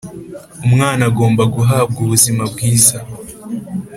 umwana agomba guhabwa ubuzima bwiza